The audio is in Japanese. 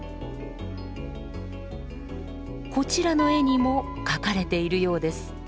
こちらの絵にも描かれているようです。